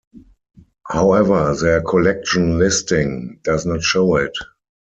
However their collection listing does not show it.